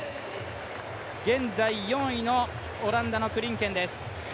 現在、４位のオランダのクリンケンです。